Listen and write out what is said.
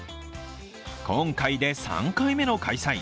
今回で３回目の開催。